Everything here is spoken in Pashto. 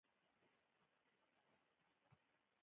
د نوي کال لمانځل یو لرغونی دود دی.